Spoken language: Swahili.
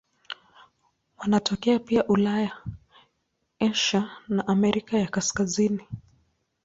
Wanatokea pia Ulaya, Asia na Amerika ya Kaskazini.